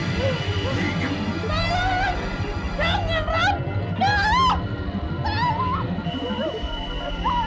belum ada di depan